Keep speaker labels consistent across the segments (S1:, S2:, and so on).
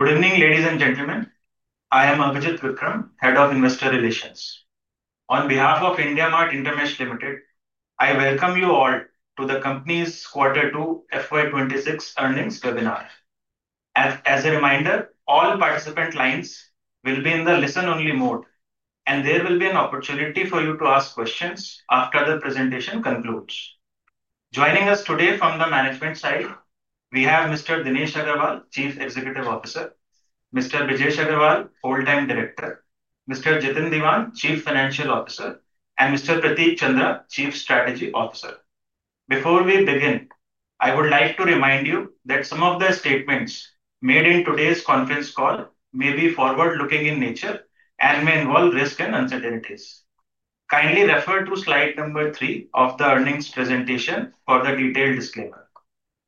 S1: Good evening, ladies and gentlemen. I am Avijit Vikram, Head of Investor Relations. On behalf of IndiaMART InterMESH Ltd, I welcome you all to the company's Q2 FY26 Earnings Webinar. As a reminder, all participant lines will be in the listen-only mode, and there will be an opportunity for you to ask questions after the presentation concludes. Joining us today from the management side, we have Mr. Dinesh Agarwal, Chief Executive Officer, Mr. Brijesh Agrawal, Full-time Director, Mr. Jitin Diwan, Chief Financial Officer, and Mr. Prateek Chandra, Chief Strategy Officer. Before we begin, I would like to remind you that some of the statements made in today's conference call may be forward-looking in nature and may involve risk and uncertainties. Kindly refer to slide number 3 of the earnings presentation for the detailed disclaimer.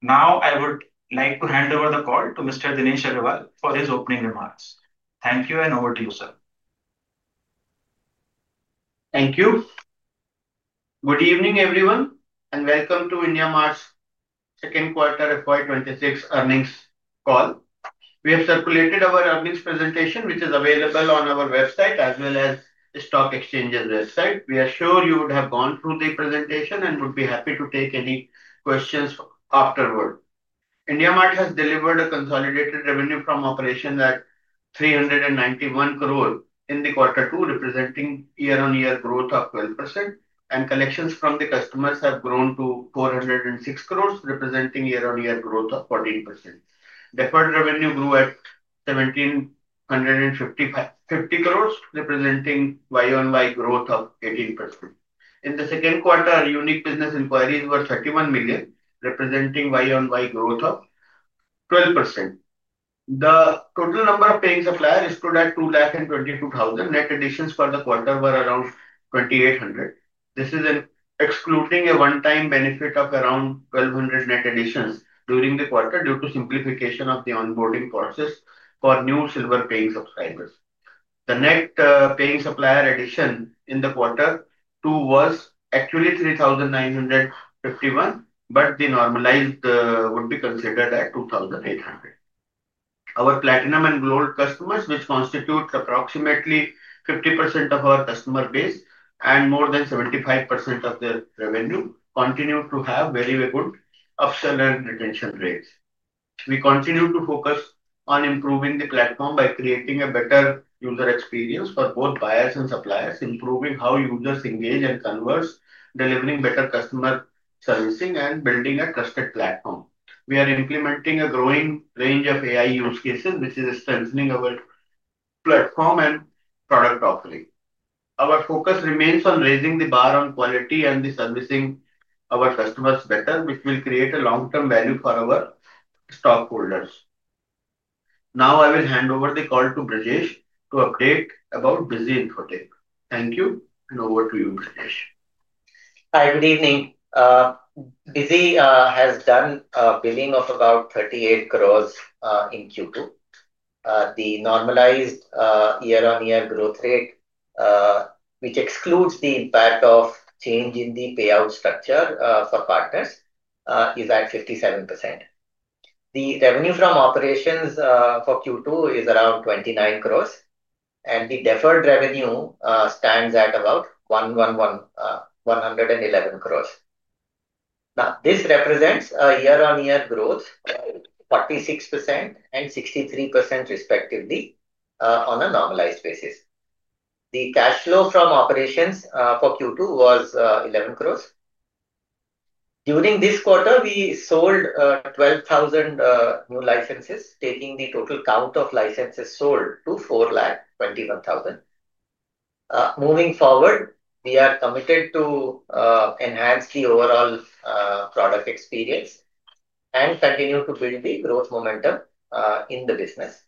S1: Now, I would like to hand over the call to Mr. Dinesh Agarwal for his opening remarks. Thank you and over to you, sir.
S2: Thank you. Good evening, everyone, and welcome to IndiaMART's second quarter FY26 earnings call. We have circulated our earnings presentation, which is available on our website as well as the stock exchange's website. We are sure you would have gone through the presentation and would be happy to take any questions afterward. IndiaMART has delivered a consolidated revenue from operations at 391 crore in Q2, representing year-on-year growth of 12%, and collections from the customers have grown to 406 crore, representing year-on-year growth of 14%. Deferred revenue grew to 1,750 crore, representing year-on-year growth of 18%. In the second quarter, our unique business inquiries were 31 million, representing year-on-year growth of 12%. The total number of paying suppliers stood at 2,022,000. Net additions for the quarter were around 2,800. This is excluding a one-time benefit of around 1,200 net additions during the quarter due to simplification of the onboarding process for new silver paying subscribers. The net paying supplier addition in Q2 was actually 3,951, but the normalized would be considered at 2,800. Our platinum and gold customers, which constitute approximately 50% of our customer base and more than 75% of the revenue, continue to have very good upsell and retention rates. We continue to focus on improving the platform by creating a better user experience for both buyers and suppliers, improving how users engage and converse, delivering better customer servicing, and building a trusted platform. We are implementing a growing range of AI use cases, which is strengthening our platform and product offering. Our focus remains on raising the bar on quality and servicing our customers better, which will create long-term value for our stockholders. Now, I will hand over the call to Brijesh to update about Busy Infotech. Thank you and over to you, Brijesh.
S3: Hi, good evening. Busy has done a billing of about 38 crore in Q2. The normalized year-on-year growth rate, which excludes the impact of change in the payout structure for partners, is at 57%. The revenue from operations for Q2 is around 29 crore, and the deferred revenue stands at about 111 crore. This represents a year-on-year growth of 46% and 63% respectively on a normalized basis. The cash flow from operations for Q2 was 11 crore. During this quarter, we sold 12,000 new licenses, taking the total count of licenses sold to 4,021,000. Moving forward, we are committed to enhancing the overall product experience and continue to build the growth momentum in the business.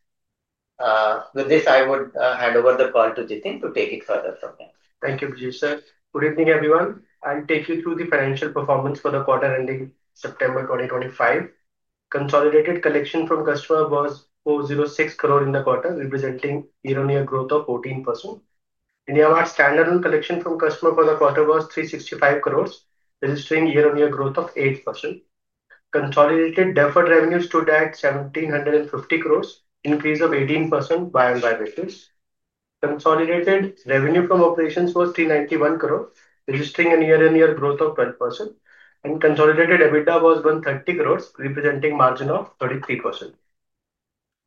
S3: With this, I would hand over the call to Jitin to take it further from there.
S4: Thank you, Brijesh, sir. Good evening, everyone. I'll take you through the financial performance for the quarter ending September 2025. Consolidated collection from customers was 406 crore in the quarter, representing year-on-year growth of 14%. IndiaMART's standard on collection from customers for the quarter was 365 crore, registering year-on-year growth of 8%. Consolidated deferred revenue stood at 1,750 crore, increase of 18% by and by ratio. Consolidated revenue from operations was 391 crore, registering a year-on-year growth of 12%, and consolidated EBITDA was 130 crore, representing a margin of 33%.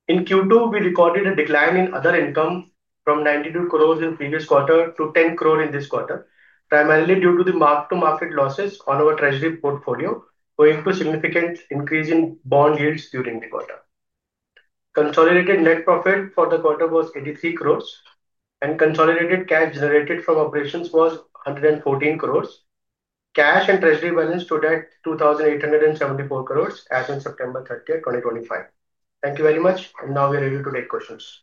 S4: In Q2, we recorded a decline in other income from 92 crore in the previous quarter to 10 crore in this quarter, primarily due to the mark-to-market losses on our treasury portfolio, owing to a significant increase in bond yields during the quarter. Consolidated net profit for the quarter was 83 crore, and consolidated cash generated from operations was 114 crore. Cash and treasury balance stood at 2,874 crore as on September 30, 2025. Thank you very much, and now we are ready to take questions.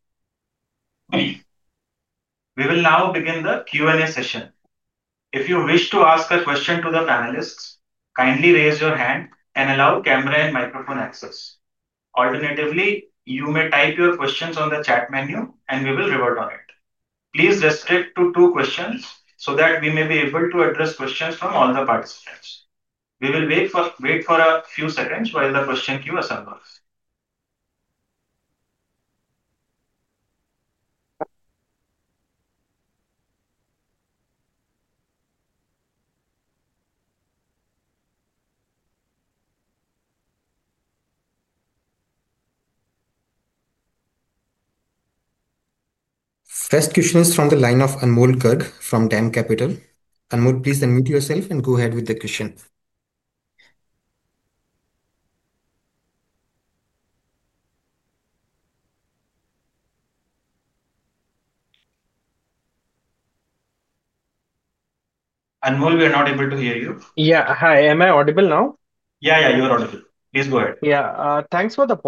S1: We will now begin the Q&A session. If you wish to ask a question to the panelists, kindly raise your hand and allow camera and microphone access. Alternatively, you may type your questions on the chat menu, and we will revert on it. Please restrict to two questions so that we may be able to address questions from all the participants. We will wait for a few seconds while the question queue assembles.
S5: First question is from the line of Anmol Garg from DAM Capital. Anmol, please unmute yourself and go ahead with the question.
S1: Anmol, we are not able to hear you.
S6: Yeah, hi, am I audible now?
S1: Yeah, you are audible. Please go ahead.
S6: Yeah, thanks for the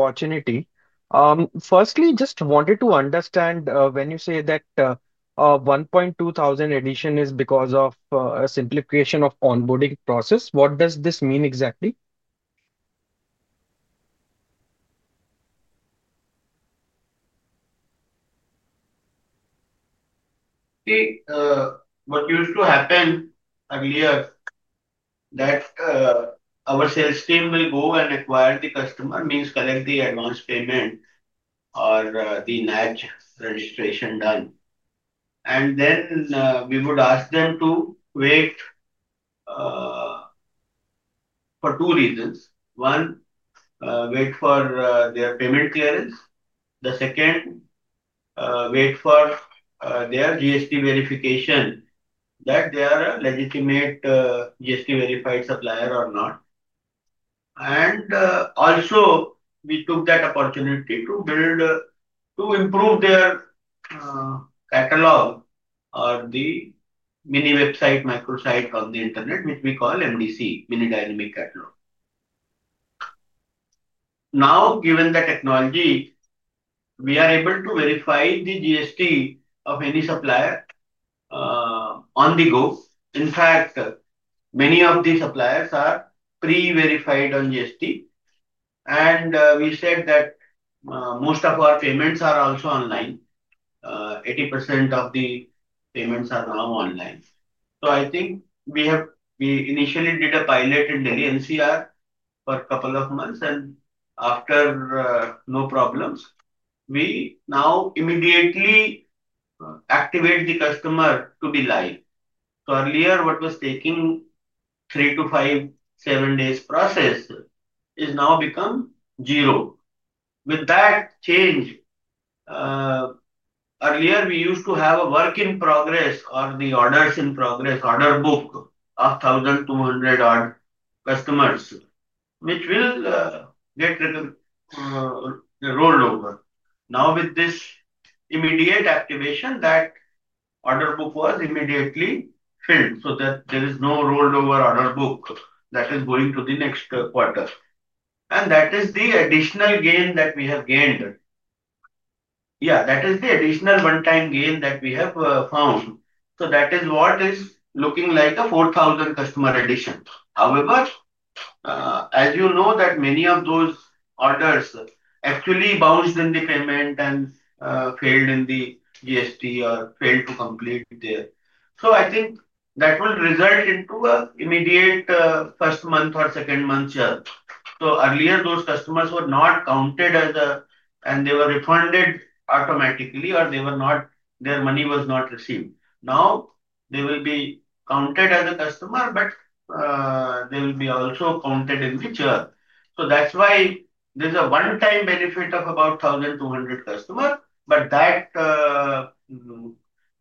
S6: opportunity. Firstly, just wanted to understand, when you say that 1.2 thousand additions is because of a simplification of onboarding process, what does this mean exactly?
S2: See, what used to happen earlier is that our sales team will go and acquire the customer, means collect the advance payment or the NADJ registration done. Then we would ask them to wait for two reasons. One, wait for their payment clearance. The second, wait for their GST verification that they are a legitimate GST-verified supplier or not. We also took that opportunity to build, to improve their catalog or the mini website, microsite on the internet, which we call MDC, Mini Dynamic Catalog. Now, given the technology, we are able to verify the GST of any supplier on the go. In fact, many of the suppliers are pre-verified on GST. We said that most of our payments are also online. 80% of the payments are now online. I think we initially did a pilot in Delhi NCR for a couple of months, and after no problems, we now immediately activate the customer to be live. Earlier, what was taking three to five, seven days process has now become zero. With that change, earlier, we used to have a work in progress or the orders in progress, order book of 1,200-odd customers, which will get rolled over. Now, with this immediate activation, that order book was immediately filled so that there is no rolled over order book that is going to the next quarter. That is the additional gain that we have gained. Yeah, that is the additional one-time gain that we have found. That is what is looking like a 4,000 customer addition. However, as you know, many of those orders actually bounced in the payment and failed in the GST or failed to complete there. I think that will result into an immediate first month or second month churn. Earlier, those customers were not counted as a, and they were refunded automatically, or their money was not received. Now, they will be counted as a customer, but they will be also counted in the churn. That's why there's a one-time benefit of about 1,200 customers, but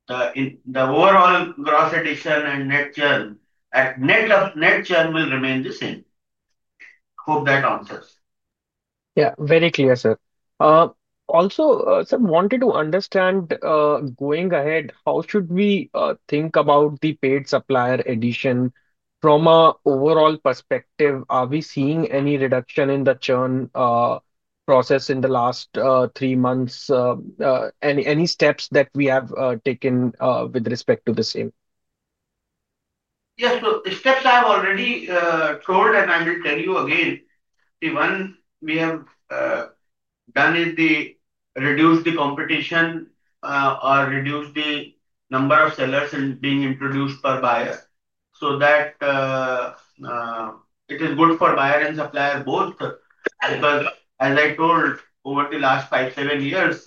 S2: the overall gross addition and net churn, net churn will remain the same. Hope that answers.
S6: Yeah, very clear, sir. Also, sir, wanted to understand going ahead, how should we think about the paid supplier addition from an overall perspective? Are we seeing any reduction in the churn process in the last three months? Any steps that we have taken with respect to the same?
S2: Yes, the steps I have already told, and I will tell you again. The one we have done is reduce the competition or reduce the number of sellers being introduced per buyer so that it is good for buyer and supplier both. As I told, over the last five, seven years,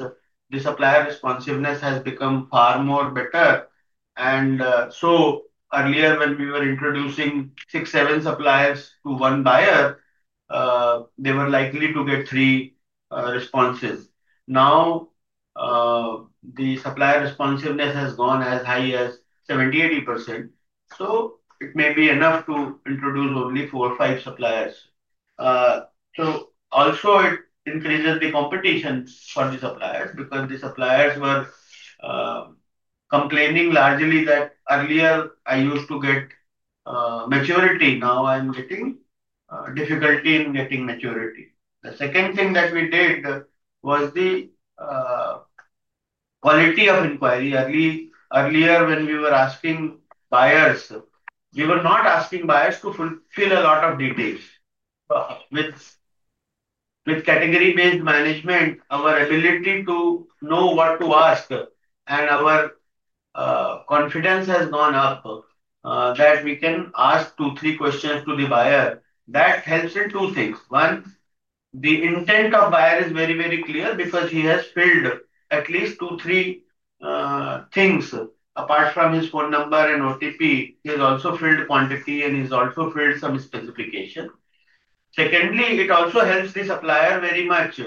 S2: the supplier responsiveness has become far more better. Earlier, when we were introducing six, seven suppliers to one buyer, they were likely to get three responses. Now, the supplier responsiveness has gone as high as 70%, 80%. It may be enough to introduce only four or five suppliers. It increases the competition for the suppliers because the suppliers were complaining largely that earlier, I used to get maturity. Now, I'm getting difficulty in getting maturity. The second thing that we did was the quality of inquiry. Earlier, when we were asking buyers, we were not asking buyers to fulfill a lot of details. With category-based management, our ability to know what to ask and our confidence has gone up that we can ask two, three questions to the buyer. That helps in two things. One, the intent of buyer is very, very clear because he has filled at least two, three things apart from his phone number and OTP. He has also filled quantity, and he's also filled some specification. Secondly, it also helps the supplier very much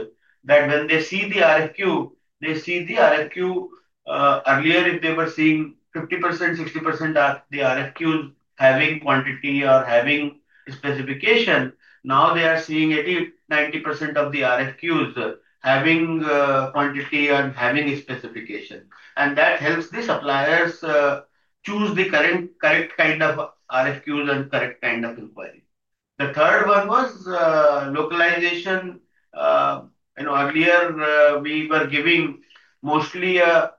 S2: that when they see the RFQ, they see the RFQ earlier. If they were seeing 50%, 60% of the RFQs having quantity or having specification, now they are seeing 80%, 90% of the RFQs having quantity and having specification. That helps the suppliers choose the correct kind of RFQs and correct kind of inquiry. The third one was localization. Earlier, we were giving mostly all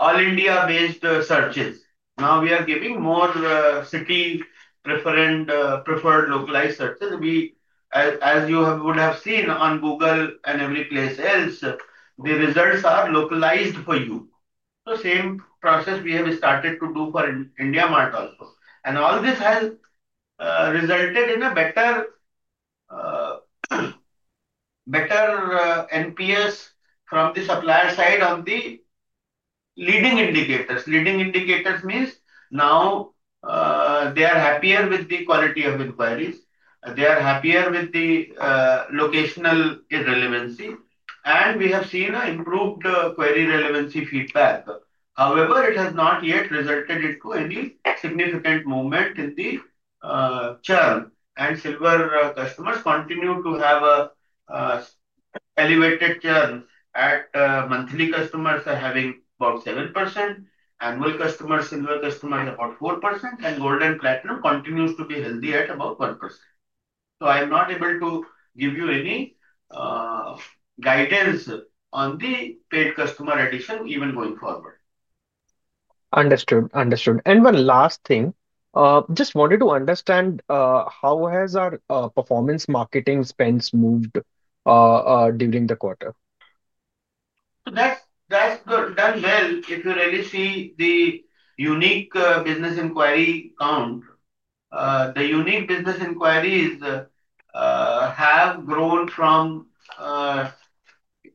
S2: India-based searches. Now, we are giving more city-preferred localized searches. As you would have seen on Google and every place else, the results are localized for you. The same process we have started to do for IndiaMART also. All this has resulted in a better NPS from the supplier side on the leading indicators. Leading indicators mean now they are happier with the quality of inquiries. They are happier with the locational irrelevancy. We have seen an improved query relevancy feedback. However, it has not yet resulted into any significant movement in the churn. Silver customers continue to have an elevated churn. Monthly customers are having about 7%. Annual customers, silver customers are about 4%. Gold and platinum continues to be healthy at about 1%. I am not able to give you any guidance on the paid customer addition even going forward.
S6: Understood. Understood. One last thing, just wanted to understand how has our performance marketing spends moved during the quarter?
S2: That's good. Done well. If you really see the unique business inquiry count, the unique business inquiries have grown from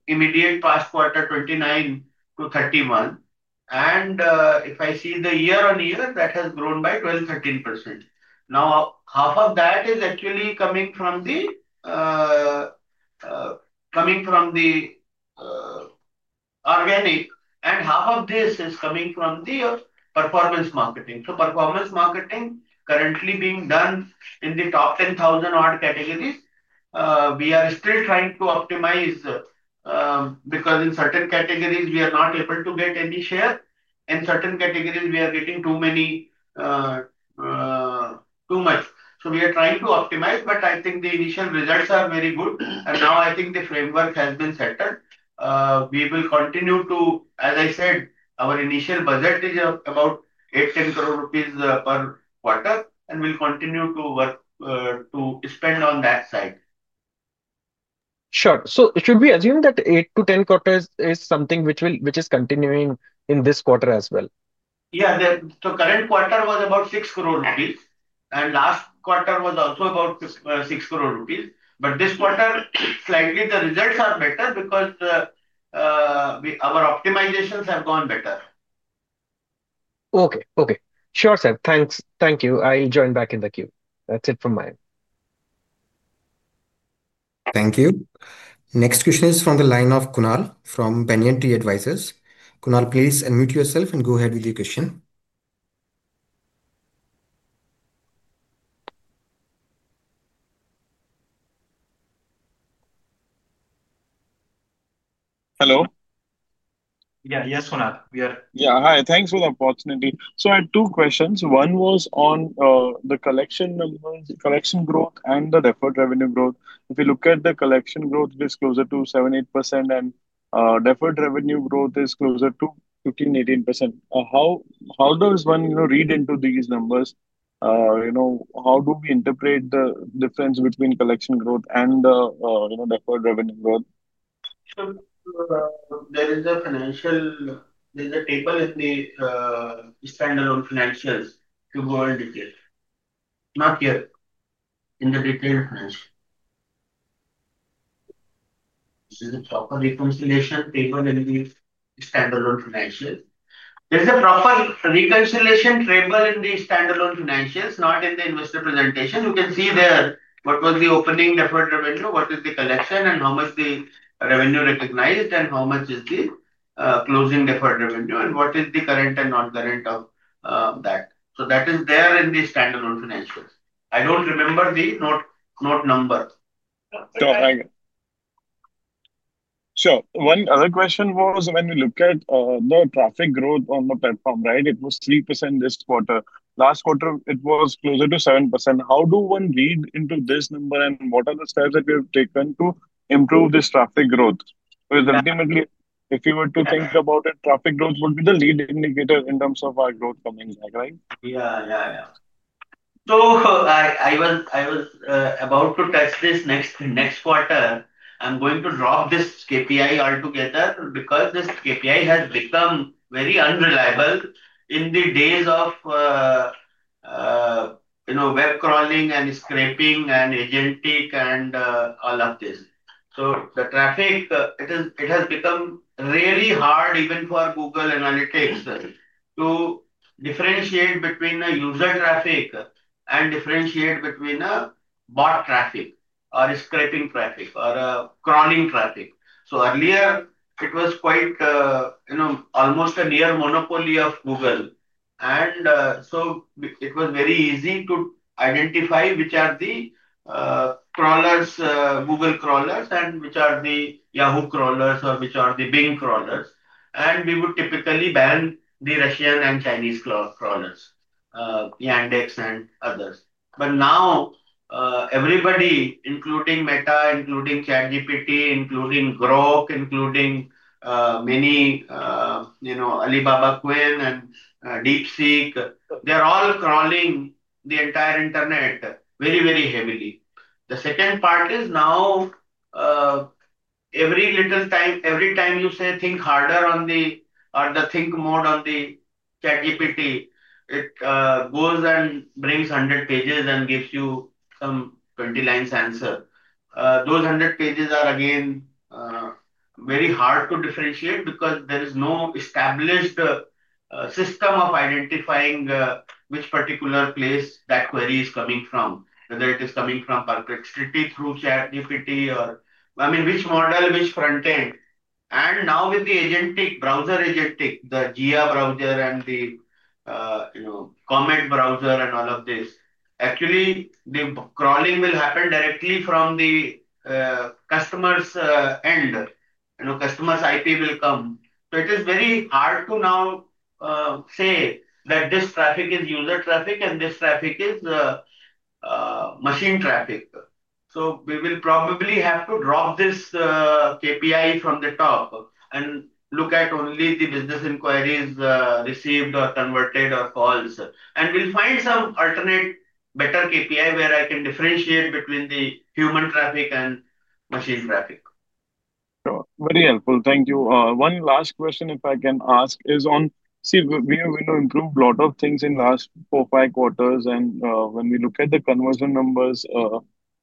S2: immediate past quarter 29-31. If I see the year-on-year, that has grown by 12-13%. Half of that is actually coming from the organic, and half of this is coming from the performance marketing. Performance marketing is currently being done in the top 10,000-odd categories. We are still trying to optimize because in certain categories, we are not able to get any share. In certain categories, we are getting too much. We are trying to optimize, but I think the initial results are very good. I think the framework has been settled. We will continue to, as I said, our initial budget is about 8-10 crore rupees per quarter, and we'll continue to work to spend on that side.
S6: Should we assume that 8 to 10 crore is something which is continuing in this quarter as well?
S2: Yeah. The current quarter was about 6 crore rupees, and last quarter was also about 6 crore rupees. This quarter, slightly, the results are better because our optimizations have gone better.
S6: Okay. Okay. Sure, sir. Thank you. I'll join back in the queue. That's it from my end.
S5: Thank you. Next question is from the line of Kunal from Benjamin T Advisors. Kunal, please unmute yourself and go ahead with your question.
S7: Hello?
S2: Yeah. Yes, Kunal. We are.
S7: Yeah. Hi. Thanks for the opportunity. I had two questions. One was on the collection numbers, collection growth, and the deferred revenue growth. If you look at the collection growth, it is closer to 7-8%, and deferred revenue growth is closer to 15-18%. How does one read into these numbers? How do we interpret the difference between collection growth and the deferred revenue growth?
S2: There is a table in the standalone financials to go in detail, not here in the detailed financials. This is a proper reconciliation table in the standalone financials. There's a proper reconciliation table in the standalone financials, not in the investor presentation. You can see there what was the opening deferred revenue, what is the collection, how much the revenue recognized, how much is the closing deferred revenue, and what is the current and non-current of that. That is there in the standalone financials. I don't remember the note number.
S7: One other question was when we look at the traffic growth on the platform, right? It was 3% this quarter. Last quarter, it was closer to 7%. How does one read into this number, and what are the steps that we have taken to improve this traffic growth? Because ultimately, if you were to think about it, traffic growth would be the lead indicator in terms of our growth coming back, right?
S2: Yeah, yeah. I was about to touch this next quarter. I'm going to drop this KPI altogether because this KPI has become very unreliable in the days of web crawling and scraping and agentic and all of this. The traffic has become really hard even for Google Analytics to differentiate between the user traffic and differentiate between bot traffic or scraping traffic or crawling traffic. Earlier, it was quite, you know, almost a near monopoly of Google. It was very easy to identify which are the Google crawlers and which are the Yahoo crawlers or which are the Bing crawlers. We would typically ban the Russian and Chinese crawlers, Yandex, and others. Now, everybody, including Meta, including ChatGPT, including Grok, including many Alibaba Queen and DeepSeek, they're all crawling the entire internet very, very heavily. The second part is now every little time, every time you say think harder on the or the think mode on the ChatGPT, it goes and brings 100 pages and gives you some 20 lines answer. Those 100 pages are again very hard to differentiate because there is no established system of identifying which particular place that query is coming from, whether it is coming from Perplexity through ChatGPT or, I mean, which model, which front end. Now, with the agentic, browser agentic, the Jira browser and the comment browser and all of this, actually, the crawling will happen directly from the customer's end. Customer's IP will come. It is very hard to now say that this traffic is user traffic and this traffic is machine traffic. We will probably have to drop this KPI from the top and look at only the business inquiries received or converted or calls. We'll find some alternate, better KPI where I can differentiate between the human traffic and machine traffic.
S7: Thank you. One last question if I can ask is, we have improved a lot of things in the last four, five quarters. When we look at the conversion numbers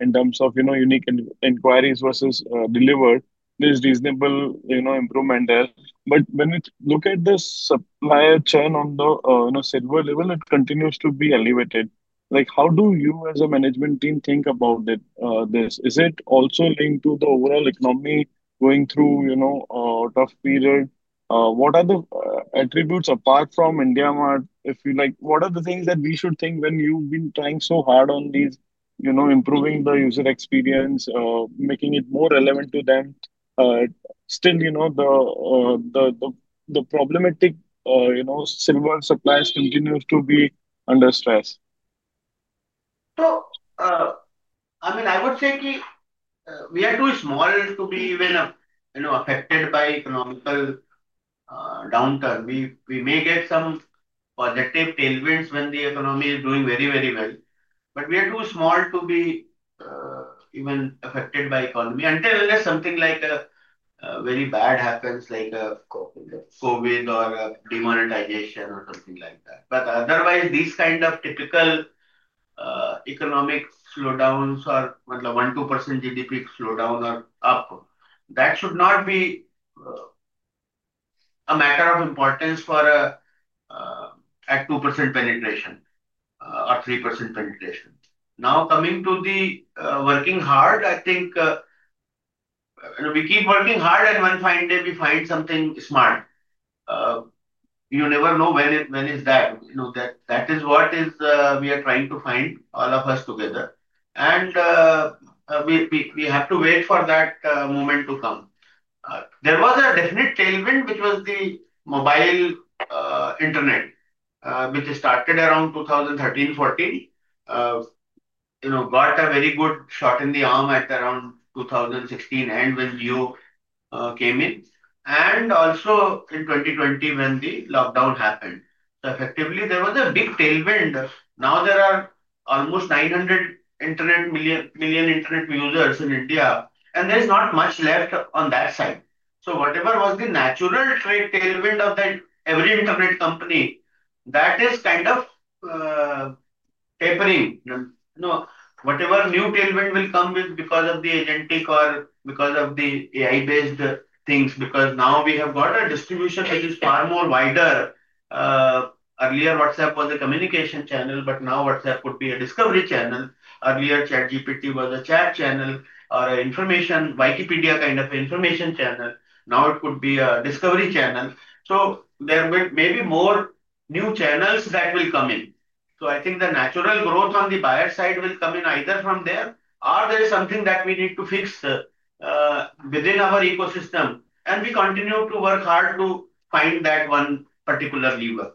S7: in terms of unique inquiries versus delivered, there's reasonable improvement there. When you look at the supplier churn on the server level, it continues to be elevated. How do you as a management team think about this? Is it also linked to the overall economy going through a tough period? What are the attributes apart from IndiaMART, if you like? What are the things that we should think when you've been trying so hard on these, improving the user experience, making it more relevant to them? Still, the problematic silver paying subscribers continue to be under stress.
S3: I would say we are too small to be even affected by economic downturn. We may get some positive tailwinds when the economy is doing very, very well. We are too small to be even affected by economy unless something very bad happens, like COVID or a demonetization or something like that. Otherwise, these kinds of typical economic slowdowns or, I mean, 1%, 2% GDP slowdown or up, that should not be a matter of importance for a 2% penetration or 3% penetration. Now, coming to the working hard, I think we keep working hard, and one fine day, we find something smart. You never know when that is. That is what we are trying to find, all of us together, and we have to wait for that moment to come. There was a definite tailwind, which was the mobile internet, which started around 2013, 2014, got a very good shot in the arm at around 2016 end when you came in, and also in 2020 when the lockdown happened. Effectively, there was a big tailwind. Now, there are almost 900 million internet users in India, and there is not much left on that side. Whatever was the natural trade tailwind of that every internet company, that is kind of tapering. Whatever new tailwind will come will be because of the agentic or because of the AI-based things, because now we have got a distribution which is far more wide. Earlier, WhatsApp was a communication channel, but now WhatsApp could be a discovery channel. Earlier, ChatGPT was a chat channel or a Wikipedia kind of information channel. Now, it could be a discovery channel. There may be more new channels that will come in. I think the natural growth on the buyer side will come in either from there or there is something that we need to fix within our ecosystem, and we continue to work hard to find that one particular lever.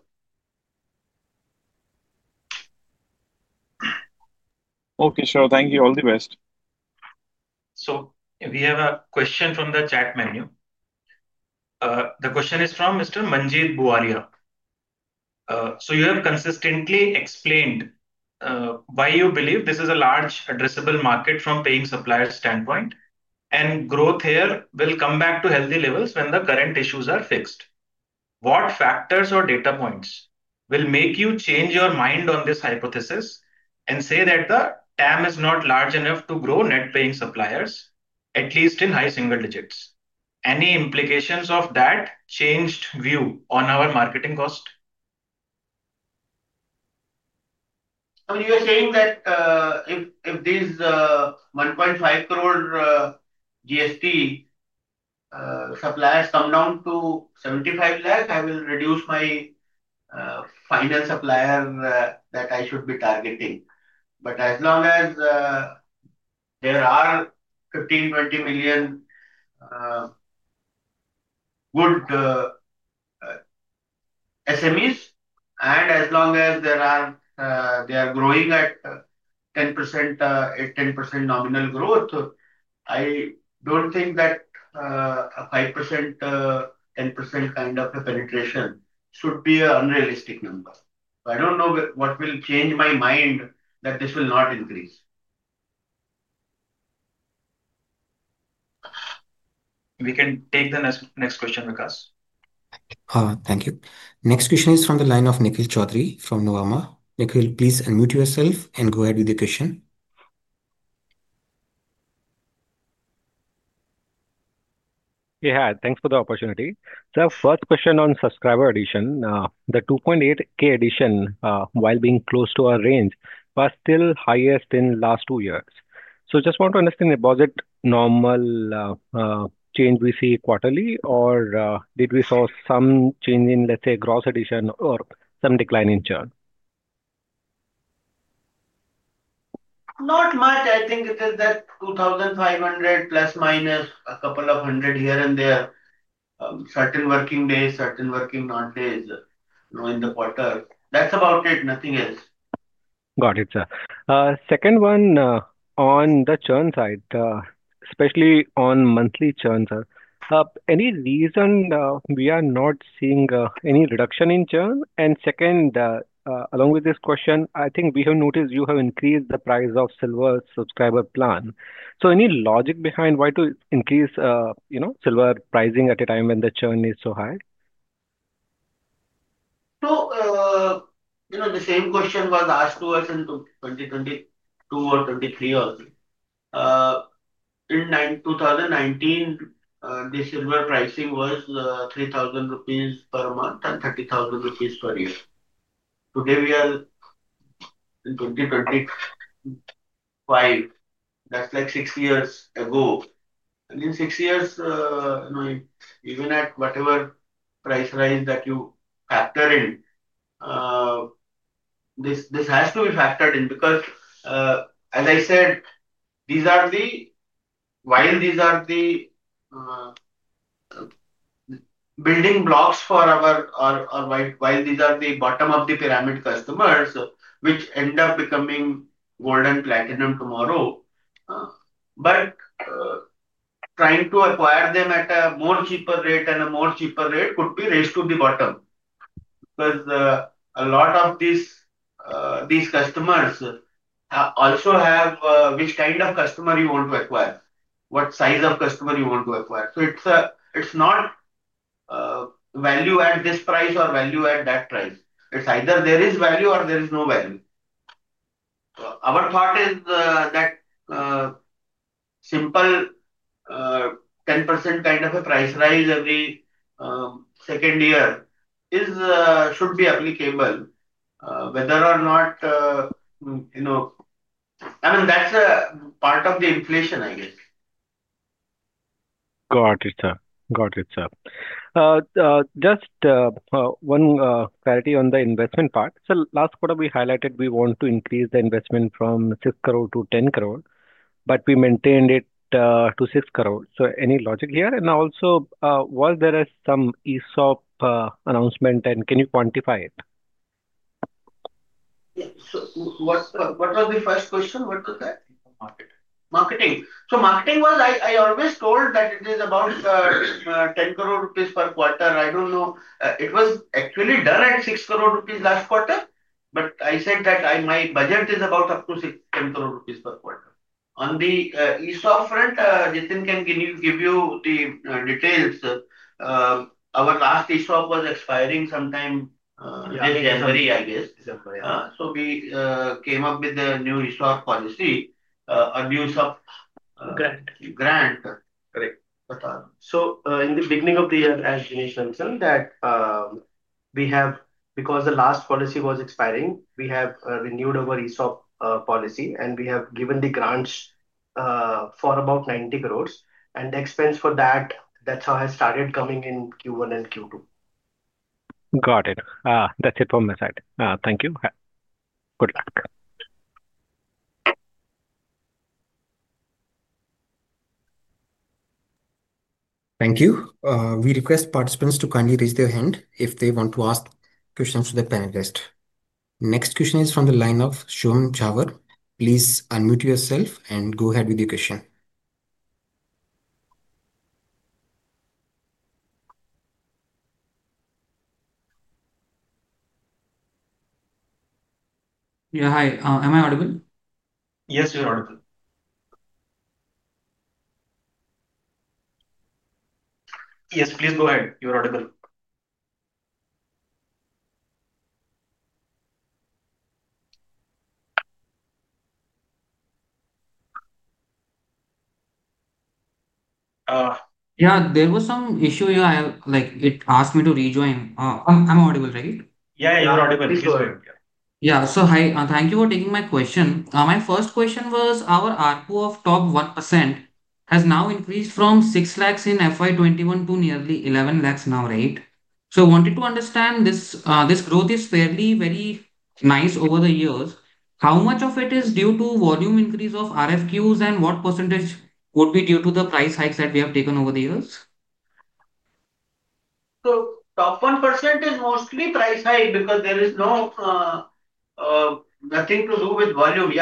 S7: Okay, sure. Thank you. All the best.
S1: We have a question from the chat menu. The question is from Mr. Manjit Buhariya. You have consistently explained why you believe this is a large addressable market from a paying supplier standpoint, and growth here will come back to healthy levels when the current issues are fixed. What factors or data points will make you change your mind on this hypothesis and say that the TAM is not large enough to grow net paying suppliers, at least in high single digits? Any implications of that changed view on our marketing cost?
S3: I mean, you are saying that if these 15 million GST suppliers come down to 7.5 million, I will reduce my final supplier that I should be targeting. As long as there are 15, 20 million good SMEs, and as long as they are growing at 8-10% nominal growth, I don't think that a 5%, 10% kind of penetration should be an unrealistic number. I don't know what will change my mind that this will not increase.
S1: We can take the next question with us.
S5: Thank you. Next question is from the line of Nikhil Chaudhary from Nuvama. Nikhil, please unmute yourself and go ahead with the question.
S8: Yeah, thanks for the opportunity. First question on subscriber addition. The 2.8K addition, while being close to our range, was still highest in the last two years. I just want to understand, was it normal change we see quarterly, or did we see some change in, let's say, gross addition or some decline in churn?
S3: Not much. I think it is that 2,500 plus minus a couple of hundred here and there, certain working days, certain working non-days in the quarter. That's about it. Nothing else.
S8: Got it, sir. Second one, on the churn side, especially on monthly churn, sir, any reason we are not seeing any reduction in churn? Second, along with this question, I think we have noticed you have increased the price of silver subscriber plan. Any logic behind why to increase silver pricing at a time when the churn is so high?
S2: The same question was asked to us in 2022 or 2023 also. In 2019, the silver pricing was 3,000 rupees per month and 30,000 rupees per year. Today, we are in 2025. That's like six years ago. In six years, even at whatever price rise that you factor in, this has to be factored in because, as I said, while these are the building blocks for our, or while these are the bottom of the pyramid customers, which end up becoming gold and platinum tomorrow, trying to acquire them at a more cheaper rate and a more cheaper rate could be a race to the bottom because a lot of these customers also have which kind of customer you want to acquire, what size of customer you want to acquire. It's not value at this price or value at that price. It's either there is value or there is no value. Our thought is that a simple 10% kind of a price rise every second year should be applicable, whether or not, I mean, that's a part of the inflation, I guess.
S8: Got it, sir. Got it, sir. Just one clarity on the investment part. Last quarter, we highlighted we want to increase the investment from 6 crore to 10 crore, but we maintained it to 6 crore. Any logic here? Also, was there some ESOP announcement, and can you quantify it?
S3: Yeah, what was the first question? What was that?
S8: Market.
S3: Marketing was, I always told that it is about 10 crore rupees per quarter. I don't know. It was actually done at 6 crore rupees last quarter, but I said that my budget is about up to 6-10 crore rupees per quarter. On the ESOP front, Jitin can give you the details. Our last ESOP was expiring sometime this January, I guess.
S2: December, yeah.
S3: We came up with a new ESOP policy, a new ESOP.
S2: Grant.
S3: Grant.
S2: Correct.
S3: In the beginning of the year, as Jitin mentioned, because the last policy was expiring, we have renewed our ESOP policy, and we have given the grants for about 90 crore. The expense for that has started coming in Q1 and Q2.
S8: Got it. That's it from my side. Thank you. Good luck.
S5: Thank you. We request participants to kindly raise their hand if they want to ask questions to the panelists. Next question is from the line of Shon Javar. Please unmute yourself and go ahead with your question.
S9: Yeah, hi. Am I audible?
S2: Yes, you're audible. Yes, please go ahead. You're audible.
S9: Yeah, there was some issue here. It asked me to rejoin. I'm audible, right?
S2: Yeah, yeah, you're audible.
S5: Thank you for taking my question. My first question was, our ARPU of top 1% has now increased from 600,000 in FY2021 to nearly 1,100,000 now, right? I wanted to understand, this growth is fairly very nice over the years. How much of it is due to volume increase of RFQs and what % would be due to the price hikes that we have taken over the years?
S2: The top 1% is mostly price hike because there is nothing to do with volume. In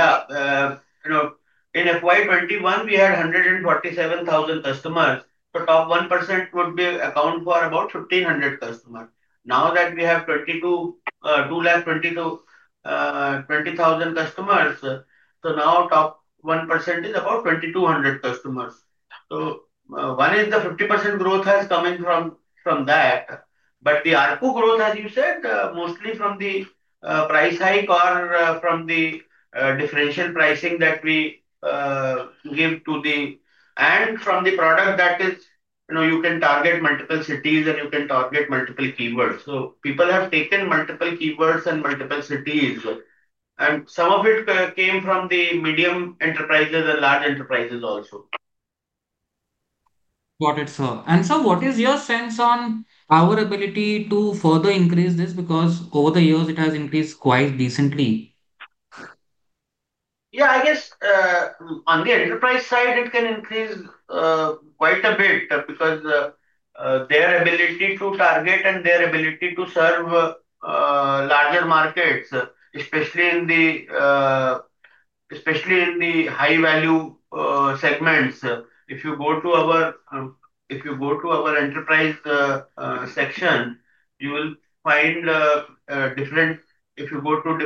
S2: FY2021, we had 147,000 customers. The top 1% would account for about 1,500 customers. Now that we have 220,000 customers, the top 1% is about 2,200 customers. One is the 50% growth has come in from that. The ARPU growth, as you said, is mostly from the price hike or from the differential pricing that we give to the and from the product that is, you know, you can target multiple cities and you can target multiple keywords. People have taken multiple keywords and multiple cities. Some of it came from the medium enterprises and large enterprises also.
S9: Got it, sir. What is your sense on our ability to further increase this? Over the years, it has increased quite decently.
S2: Yeah, I guess on the enterprise side, it can increase quite a bit because their ability to target and their ability to serve larger markets, especially in the high-value segments. If you go to our enterprise section, you will find different. If you go to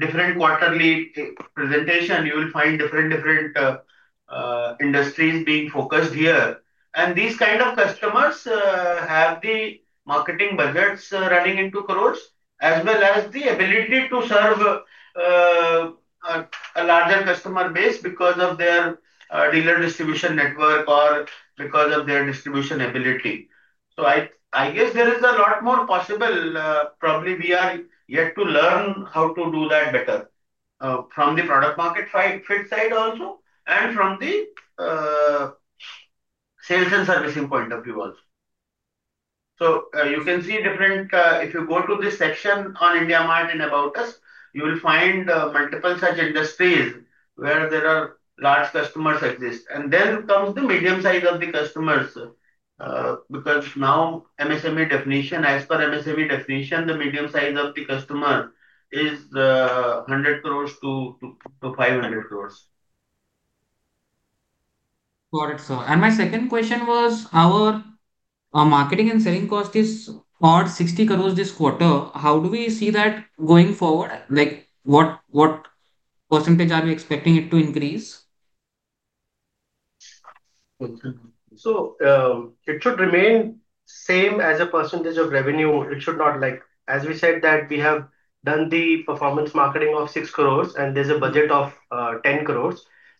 S2: different quarterly presentation, you will find different, different industries being focused here. These kind of customers have the marketing budgets running into crores as well as the ability to serve a larger customer base because of their dealer distribution network or because of their distribution ability. I guess there is a lot more possible. Probably we are yet to learn how to do that better from the product-market fit side also and from the sales and servicing point of view also. You can see different. If you go to this section on IndiaMART and About Us, you will find multiple such industries where there are large customers exist. Then comes the medium size of the customers because now MSME definition, as per MSME definition, the medium size of the customer is 100 crore to 500 crore.
S9: Got it, sir. My second question was, our marketing and selling cost is at 60 crore this quarter. How do we see that going forward? What % are we expecting it to increase?
S2: It should remain the same as a percentage of revenue. It should not, like, as we said, that we have done the performance marketing of 6 crore and there's a budget of 10 crore.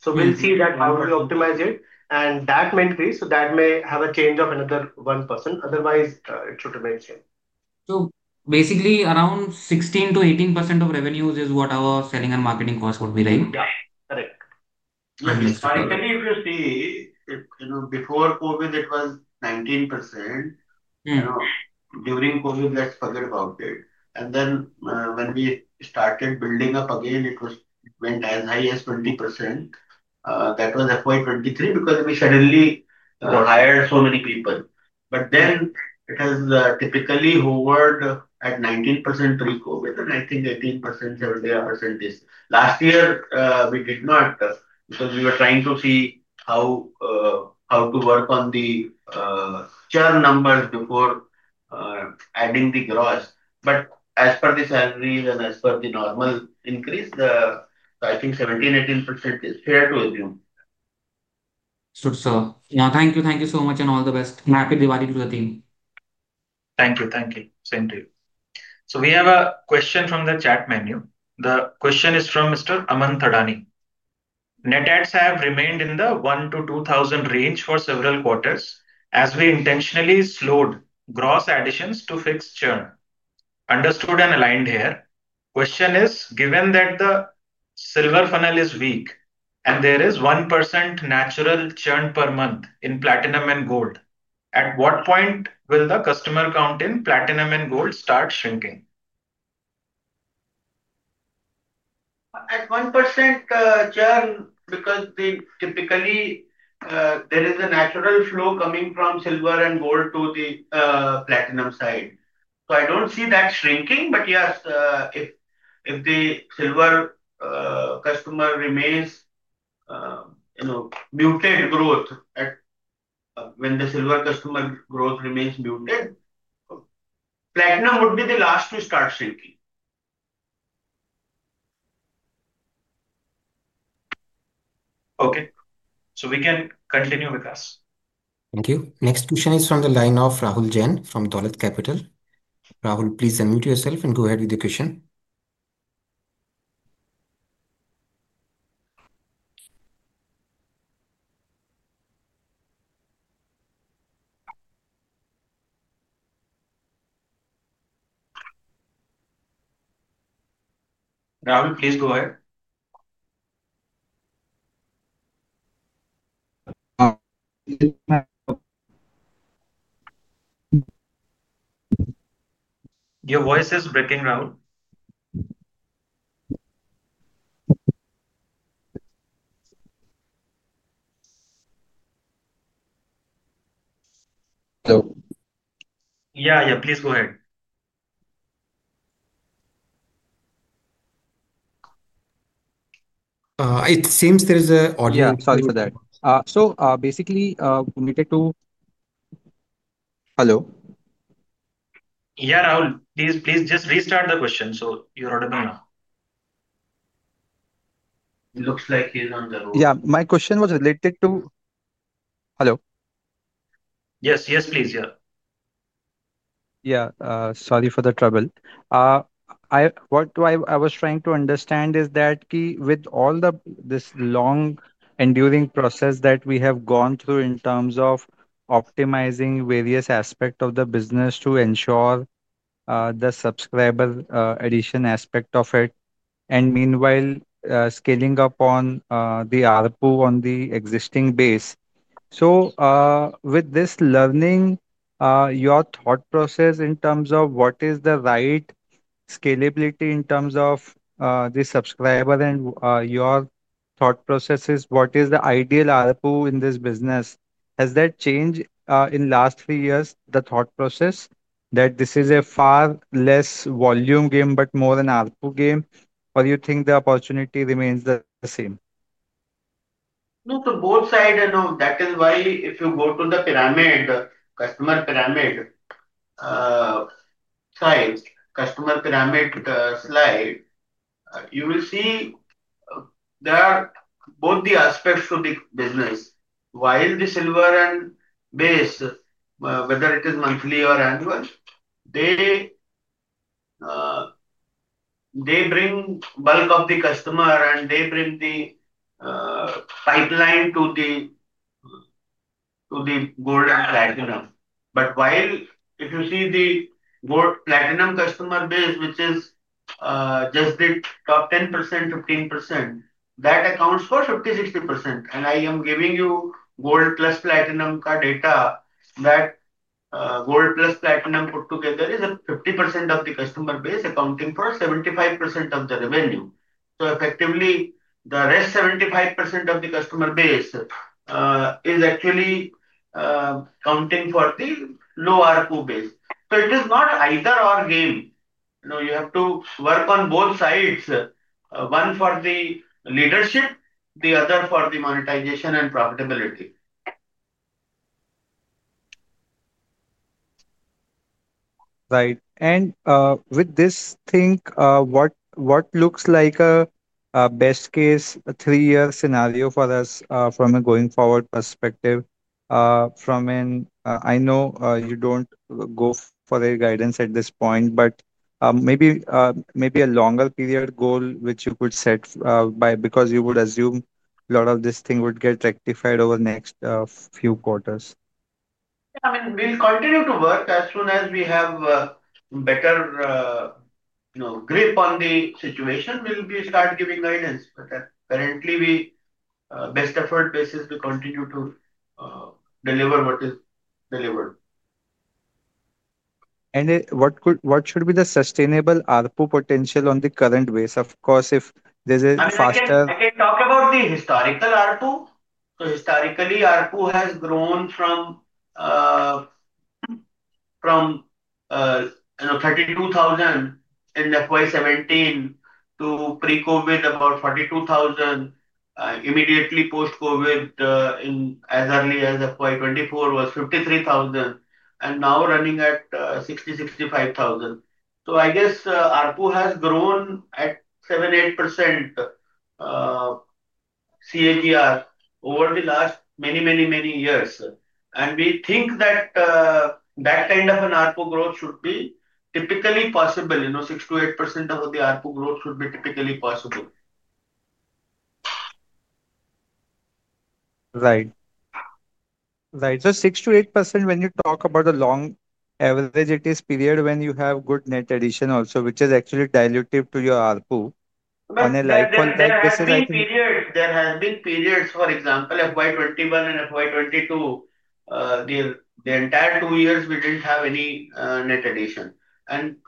S2: We'll see how we optimize it. That may increase, so that may have a change of another 1%. Otherwise, it should remain the same.
S9: Basically, around 16% to 18% of revenues is what our selling and marketing cost would be?
S2: Yeah, correct. Let me start.
S3: If you see, before COVID, it was 19%. During COVID, let's forget about it. When we started building up again, it went as high as 20%. That was FY2023 because we suddenly hired so many people. It has typically hovered at 19% pre-COVID, and I think 18%, 17% this. Last year, we did not because we were trying to see how to work on the churn numbers before adding the gross. As per the salaries and as per the normal increase, I think 17%, 18% is fair to assume.
S9: Sure, sir. Yeah, thank you. Thank you so much and all the best. Happy Diwali to the team.
S2: Thank you. Thank you. Same to you.
S1: We have a question from the chat menu. The question is from Mr. Aman Thadani. Net adds have remained in the 1,000-2,000 range for several quarters as we intentionally slowed gross additions to fix churn. Understood and aligned here. The question is, given that the silver funnel is weak and there is 1% natural churn per month in platinum and gold, at what point will the customer count in platinum and gold start shrinking?
S2: At 1% churn, because typically there is a natural flow coming from silver and gold to the platinum side, I don't see that shrinking. If the silver customer growth remains muted, platinum would be the last to start shrinking.
S1: Okay, we can continue with us.
S5: Thank you. Next question is from the line of Rahul Jain from Dolat Capital. Rahul, please unmute yourself and go ahead with the question.
S1: Rahul, please go ahead. Your voice is breaking, Rahul.
S10: Hello?
S1: Yeah, please go ahead.
S10: It seems there is an audio.
S1: Yeah, sorry for that.
S10: Basically, we needed to hello.
S1: Yeah, Rahul, please just restart the question so you're audible now.
S3: Looks like he's on the road.
S10: Yeah, my question was related to hello.
S1: Yes, please, yeah.
S10: Sorry for the trouble. What I was trying to understand is that with all this long-enduring process that we have gone through in terms of optimizing various aspects of the business to ensure the subscriber addition aspect of it, and meanwhile, scaling up on the ARPU on the existing base. With this learning, your thought process in terms of what is the right scalability in terms of the subscriber and your thought process is what is the ideal ARPU in this business? Has that changed in the last three years, the thought process that this is a far less volume game but more an ARPU game? Do you think the opportunity remains the same?
S3: No, to both sides, I know that is why if you go to the customer pyramid slide, you will see there are both the aspects to the business. While the silver and base, whether it is monthly or annual, they bring bulk of the customer and they bring the pipeline to the gold and platinum. If you see the gold platinum customer base, which is just the top 10%, 15%, that accounts for 50%, 60%. I am giving you gold plus platinum data that gold plus platinum put together is 50% of the customer base accounting for 75% of the revenue. Effectively, the rest 75% of the customer base is actually accounting for the low ARPU base. It is not either or game. You have to work on both sides, one for the leadership, the other for the monetization and profitability.
S10: Right. With this thing, what looks like a best case, a three-year scenario for us from a going forward perspective? I know you don't go for a guidance at this point, but maybe a longer period goal which you could set by because you would assume a lot of this thing would get rectified over the next few quarters.
S3: Yeah, I mean, we'll continue to work. As soon as we have a better grip on the situation, we'll start giving guidance. Currently, we best effort basis, we continue to deliver what is delivered.
S10: What should be the sustainable ARPU potential on the current base? Of course, if there's a faster.
S3: I can talk about the historical ARPU. Historically, ARPU has grown from 32,000 in FY2017 to pre-COVID about 42,000. Immediately post-COVID, as early as FY2024, it was 53,000 and now running at 60,000, 65,000. I guess ARPU has grown at 7%, 8% CAGR over the last many, many years. We think that that kind of an ARPU growth should be typically possible. You know, 6%-8% of the ARPU growth should be typically possible.
S10: Right. Right. So 6% to 8%, when you talk about the long average, it is a period when you have good net addition also, which is actually diluted to your ARPU.
S3: In this period, there have been periods. For example, FY2021 and FY2022, the entire two years, we didn't have any net addition.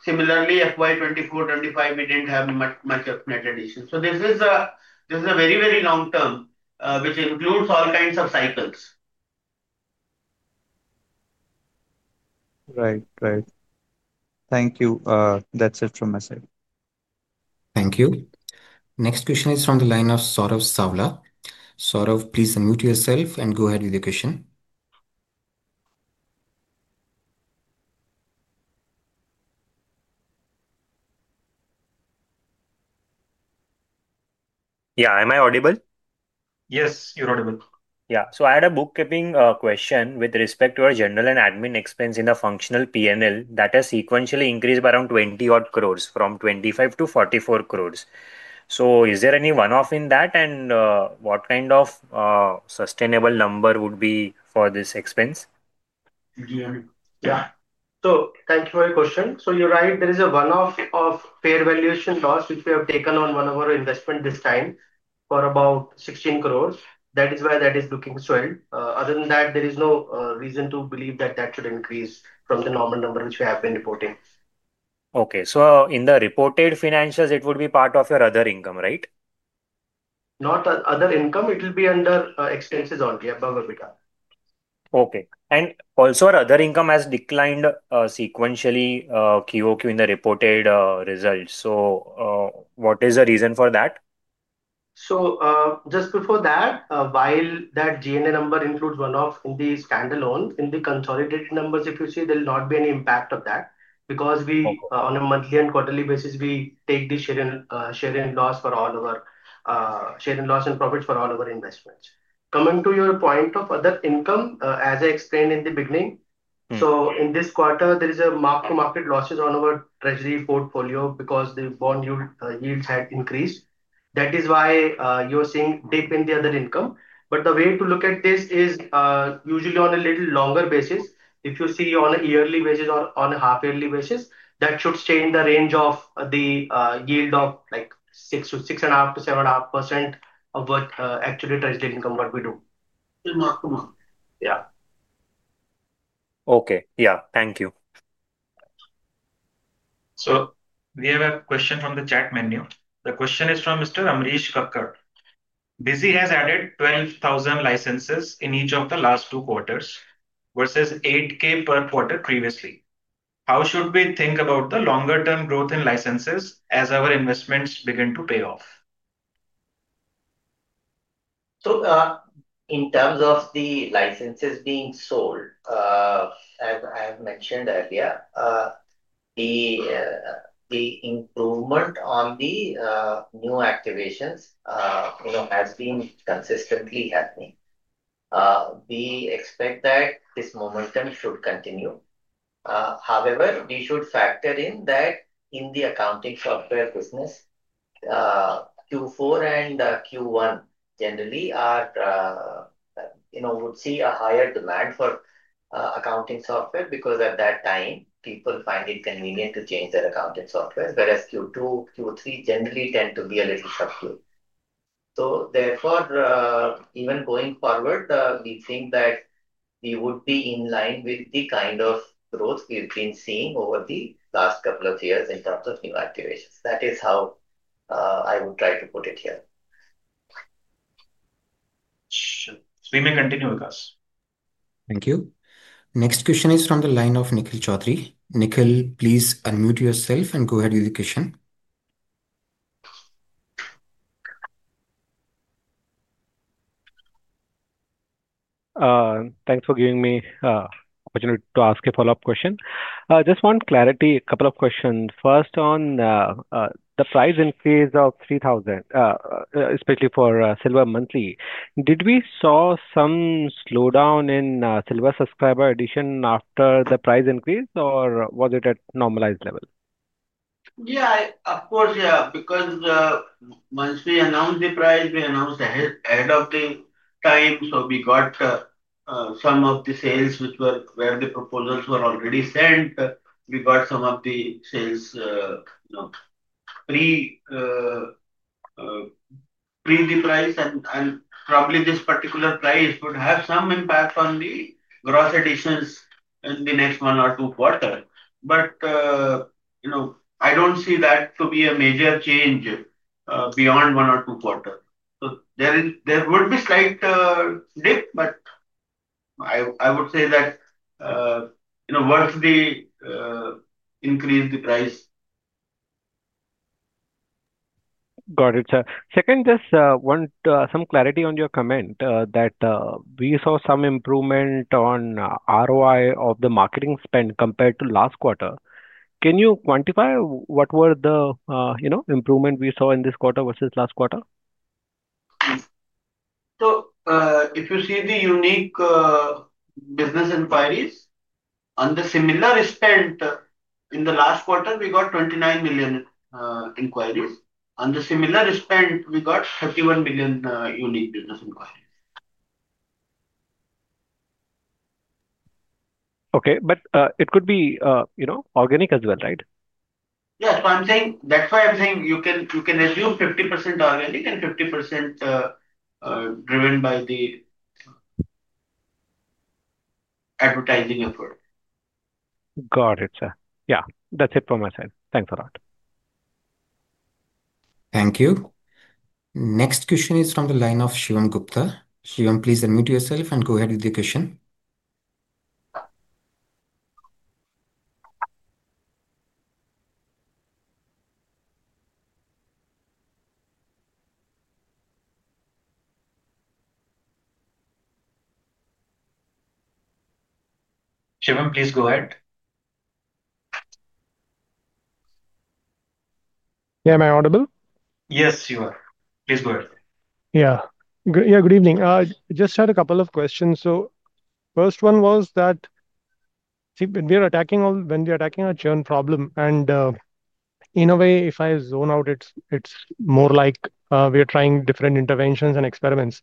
S3: Similarly, FY2024 and FY2025, we didn't have much of net addition. This is a very, very long term, which includes all kinds of cycles.
S10: Right. Right. Thank you. That's it from my side.
S5: Thank you. Next question is from the line of Saurav Saula. Saurav, please unmute yourself and go ahead with your question.
S9: Yeah, am I audible?
S2: Yes, you're audible.
S9: Yeah. I had a bookkeeping question with respect to our general and admin expense in a functional P&L that has sequentially increased by around 20 crore from 25 crore to 44 crore. Is there any one-off in that, and what kind of sustainable number would be for this expense? Yeah.
S2: Thank you for your question. You're right. There is a one-off of fair valuation loss, which we have taken on one of our investments this time for about 16 crore. That is why that is looking swell. Other than that, there is no reason to believe that should increase from the normal number, which we have been reporting.
S9: In the reported financials, it would be part of your other income, right?
S2: Not other income, it will be under expenses only, above EBITDA.
S9: Also, our other income has declined sequentially QOQ in the reported results. What is the reason for that?
S2: Just before that, while that G&A number includes one-off in the standalone, in the consolidated numbers, if you see, there will not be any impact of that because on a monthly and quarterly basis, we take the share in loss for all of our share in loss and profits for all of our investments. Coming to your point of other income, as I explained in the beginning, in this quarter, there is a mark-to-market losses on our treasury portfolio because the bond yields had increased. That is why you're seeing dip in the other income. The way to look at this is usually on a little longer basis. If you see on a yearly basis or on a half-yearly basis, that should stay in the range of the yield of like 6% to 6.5% to 7.5% of what actually treasury income what we do.
S9: Yeah, okay. Yeah, thank you.
S1: We have a question from the chat menu. The question is from Mr. Amrish Kakkar. Busy has added 12,000 licenses in each of the last two quarters versus 8,000 per quarter previously. How should we think about the longer-term growth in licenses as our investments begin to pay off?
S3: In terms of the licenses being sold, as I have mentioned earlier, the improvement on the new activations has been consistently happening. We expect that this momentum should continue. However, we should factor in that in the accounting software business, Q4 and Q1 generally would see a higher demand for accounting software because at that time, people find it convenient to change their accounting software, whereas Q2 and Q3 generally tend to be a little subdued. Therefore, even going forward, we think that we would be in line with the kind of growth we've been seeing over the last couple of years in terms of new activations. That is how I would try to put it here.
S1: Sure, we may continue with this.
S5: Thank you. Next question is from the line of Nikhil Chaudhari. Nikhil, please unmute yourself and go ahead with the question.
S8: Thanks for giving me the opportunity to ask a follow-up question. Just one clarity, a couple of questions. First, on the price increase of 3,000, especially for silver monthly, did we see some slowdown in silver subscriber addition after the price increase, or was it at a normalized level?
S3: Yeah, of course, because once we announced the price, we announced ahead of the time. We got some of the sales where the proposals were already sent. We got some of the sales pre the price, and probably this particular price would have some impact on the gross additions in the next one or two quarters. I don't see that to be a major change beyond one or two quarters. There would be a slight dip, but I would say that it's worth the increase in the price.
S8: Got it, sir. Second, just want some clarity on your comment that we saw some improvement on ROI of the marketing spend compared to last quarter. Can you quantify what were the improvements we saw in this quarter versus last quarter?
S3: If you see the unique business inquiries, on the similar spend in the last quarter, we got 29 million inquiries. On the similar spend, we got 31 million unique business inquiries.
S8: Okay, it could be organic as well, right?
S3: That's why I'm saying you can assume 50% organic and 50% driven by the advertising effort.
S8: Got it, sir. Yeah, that's it from my side. Thanks a lot.
S5: Thank you. Next question is from the line of Shion Gupta. Shion, please unmute yourself and go ahead with your question. Shion, please go ahead.
S11: Yeah, am I audible?
S1: Yes, you are. Please go ahead.
S11: Yeah, good evening. I just had a couple of questions. The first one was that, see, when we are attacking our churn problem, and in a way, if I zone out, it's more like we are trying different interventions and experiments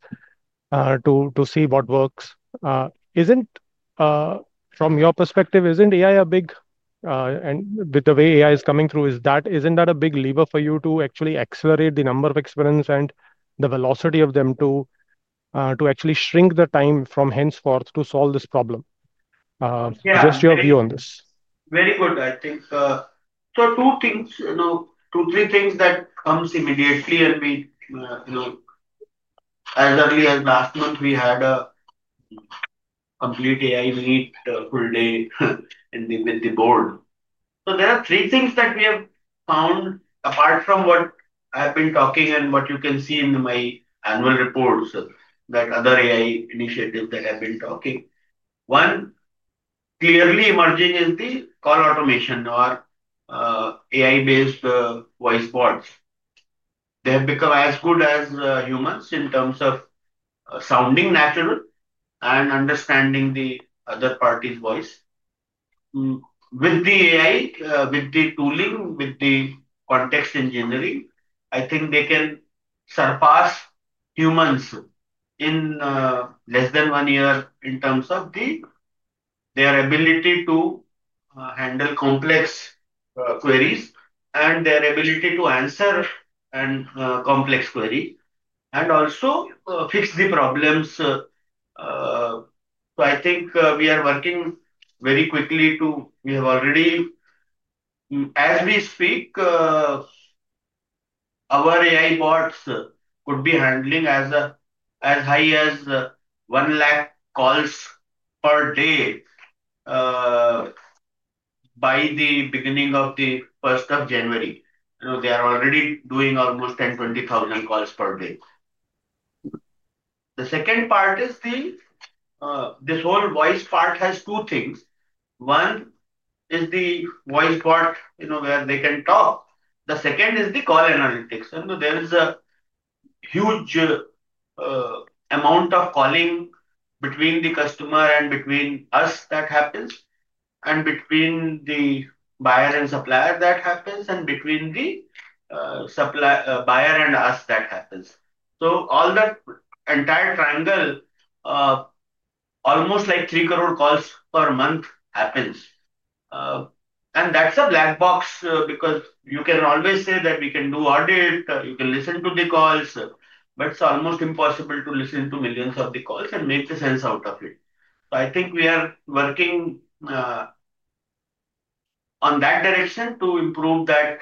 S11: to see what works. From your perspective, isn't AI a big, and with the way AI is coming through, isn't that a big lever for you to actually accelerate the number of experiments and the velocity of them to actually shrink the time from henceforth to solve this problem? Just your view on this.
S2: Very good. I think two, three things come immediately. As early as last month, we had a complete AI-related full day with the board. There are three things that we have found apart from what I have been talking and what you can see in my annual reports, that other AI initiatives that I have been talking. One, clearly emerging is the call automation or AI-based voice bots. They have become as good as humans in terms of sounding natural and understanding the other party's voice. With the AI, with the tooling, with the context engineering, I think they can surpass humans in less than one year in terms of their ability to handle complex queries and their ability to answer complex queries and also fix the problems. I think we are working very quickly. We have already, as we speak, our AI bots could be handling as high as 100,000 calls per day by the beginning of January 1. They are already doing almost 10,000 to 20,000 calls per day. The second part is this whole voice part has two things. One is the voice bot, where they can talk. The second is the call analytics. There is a huge amount of calling between the customer and between us that happens, and between the buyer and supplier that happens, and between the buyer and us that happens. That entire triangle, almost 3 million calls per month happens. That's a black box because you can always say that we can do audit, you can listen to the calls, but it's almost impossible to listen to millions of the calls and make sense out of it. I think we are working in that direction to improve that.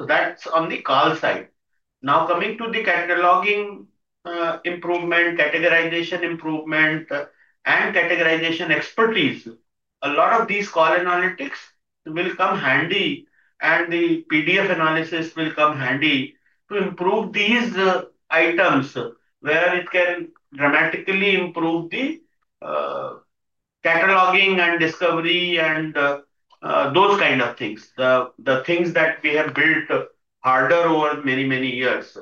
S2: That's on the call side. Now, coming to the cataloging improvement, categorization improvement, and categorization expertise, a lot of these call analytics will come handy, and the PDF analysis will come handy to improve these items where it can dramatically improve the cataloging and discovery and those kinds of things, the things that we have built harder over many, many years.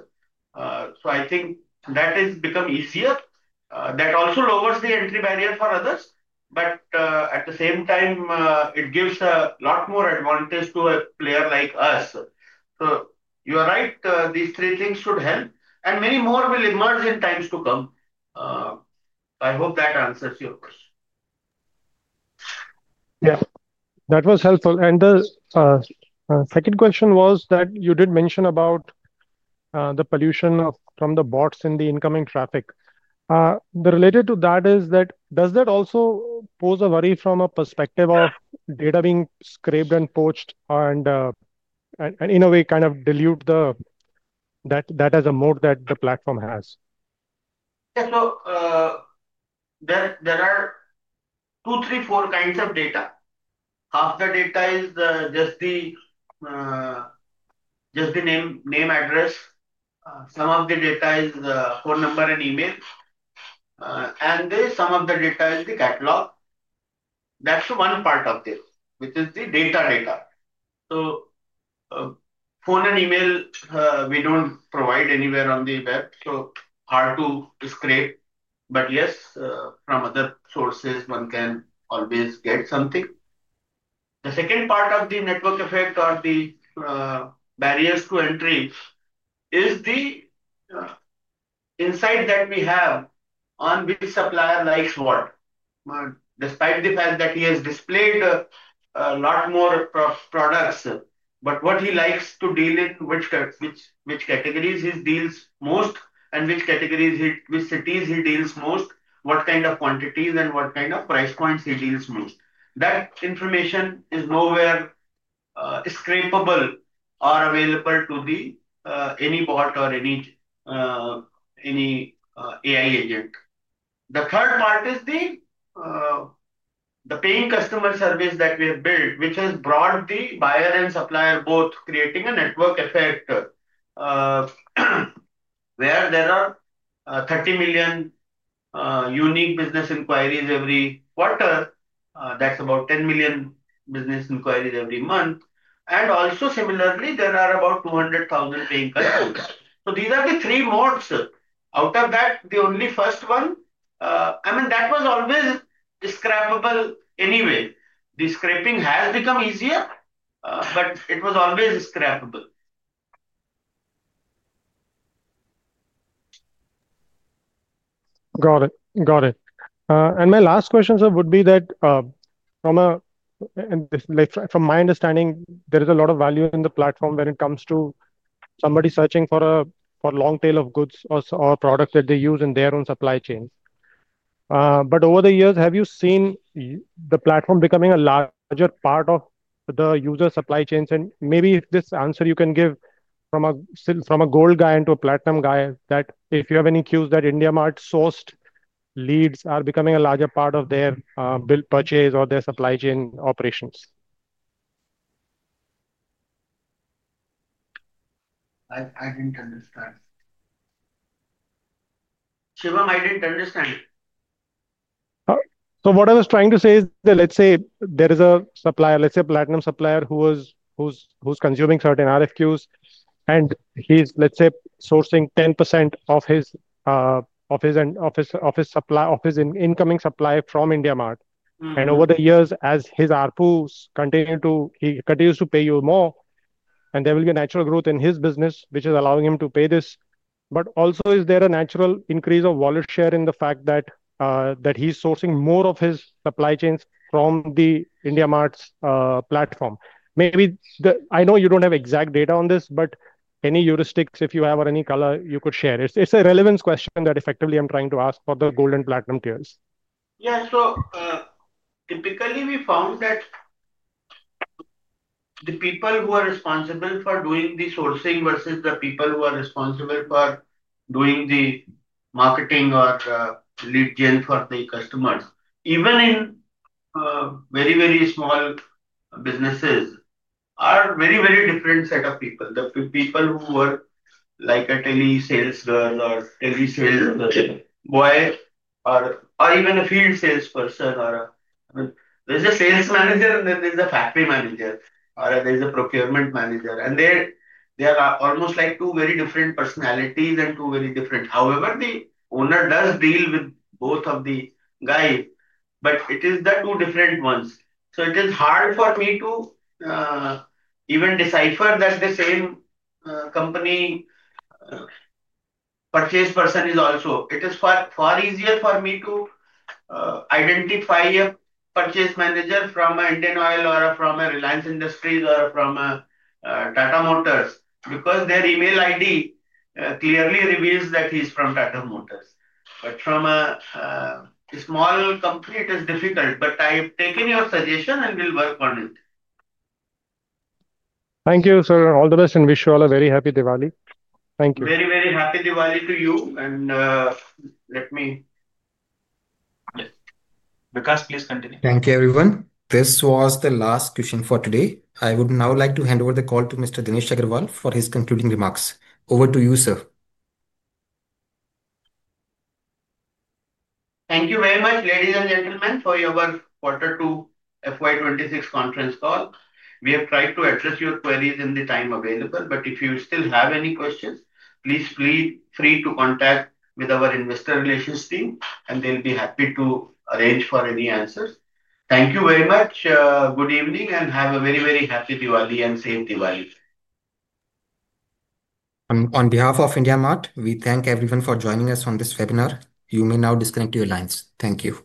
S2: I think that has become easier. That also lowers the entry barrier for others. At the same time, it gives a lot more advantage to a player like us. You are right. These three things should help, and many more will emerge in times to come. I hope that answers your question.
S11: Yes, that was helpful. The second question was that you did mention about the pollution from the bots in the incoming traffic. Related to that, does that also pose a worry from a perspective of data being scraped and poached and, in a way, kind of dilute that as a mode that the platform has?
S2: Yeah. There are two, three, four kinds of data. Half the data is just the name, address. Some of the data is phone number and email, and some of the data is the catalog. That's one part of this, which is the data radar. Phone and email, we don't provide anywhere on the web, so hard to scrape. Yes, from other sources, one can always get something. The second part of the network effect or the barriers to entry is the insight that we have on which supplier likes what, despite the fact that he has displayed a lot more products. What he likes to deal in, which categories he deals most, and which categories with cities he deals most, what kind of quantities and what kind of price points he deals most, that information is nowhere scrapable or available to any bot or any AI agent. The third part is the paying customer service that we have built, which has brought the buyer and supplier both, creating a network effect where there are 30 million unique business inquiries every quarter. That's about 10 million business inquiries every month. Similarly, there are about 200,000 paying customers. These are the three modes. Out of that, the only first one, I mean, that was always scrapable anyway. The scraping has become easier, but it was always scrapable.
S11: Got it. Got it. My last question, sir, would be that, from my understanding, there is a lot of value in the platform when it comes to somebody searching for a long tail of goods or products that they use in their own supply chains. Over the years, have you seen the platform becoming a larger part of the user supply chains? Maybe if this answer you can give from a gold guy into a platinum guy, if you have any cues that IndiaMART-sourced leads are becoming a larger part of their build purchase or their supply chain operations.
S2: I didn't understand, Shivam. I didn't understand.
S11: What I was trying to say is that, let's say there is a supplier, let's say a Platinum customer, who is consuming certain RFQs, and he's, let's say, sourcing 10% of his incoming supply from IndiaMART. Over the years, as his ARPU continues to pay you more, there will be a natural growth in his business, which is allowing him to pay this. Also, is there a natural increase of wallet share in the fact that he's sourcing more of his supply chains from IndiaMART's platform? Maybe I know you don't have exact data on this, but any heuristics, if you have or any color, you could share. It's a relevance question that effectively I'm trying to ask for the Gold and Platinum customers.
S2: Yeah. Typically, we found that the people who are responsible for doing the sourcing versus the people who are responsible for doing the marketing or lead generation for the customers, even in very, very small businesses, are a very, very different set of people. The people who work like a telesales girl or a telesales boy or even a field salesperson, or there's a Sales Manager, and then there's a Factory Manager or there's a Procurement Manager. They are almost like two very different personalities and two very different. However, the owner does deal with both of the guys, but it is the two different ones. It is hard for me to even decipher that the same company purchase person is also. It is far easier for me to identify a Purchase Manager from an Indian Oil or from a Reliance Industries or from a Tata Motors because their email ID clearly reveals that he's from Tata Motors. From a small company, it is difficult. I've taken your suggestion and will work on it.
S11: Thank you, sir. All the best and wish you all a very happy Diwali. Thank you.
S3: Very, very happy Diwali to you. Let me.
S2: Yes.
S1: Please continue.
S5: Thank you, everyone. This was the last question for today. I would now like to hand over the call to Mr. Dinesh Agarwal for his concluding remarks. Over to you, sir.
S2: Thank you very much, ladies and gentlemen, for your quarter two FY26 conference call. We have tried to address your queries in the time available. If you still have any questions, please feel free to contact our Investor Relations team, and they'll be happy to arrange for any answers. Thank you very much. Good evening and have a very, very happy Diwali and safe Diwali.
S5: On behalf of IndiaMART, we thank everyone for joining us on this webinar. You may now disconnect your lines. Thank you.